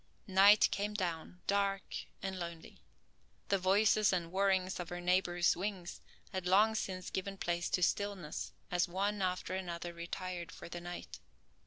Night came down, dark and lonely. The voices and whirrings of her neighbors' wings had long since given place to stillness as one after another retired for the night.